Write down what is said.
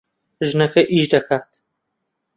ژنەکە ئیش دەکات.